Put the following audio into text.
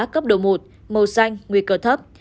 cấp độ một màu xanh nguy cơ thấp